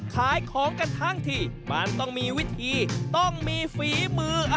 ขายของกันทั้งทีมันต้องมีวิธีต้องมีฝีมือ